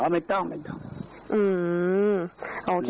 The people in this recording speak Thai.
ไม่ต้องไม่ต้อง